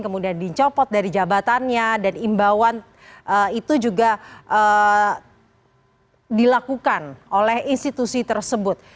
kemudian dicopot dari jabatannya dan imbauan itu juga dilakukan oleh institusi tersebut